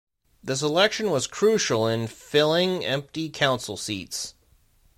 This election was crucial in filling empty council seats.